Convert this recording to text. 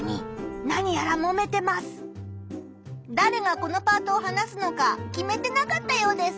だれがこのパートを話すのか決めてなかったようです。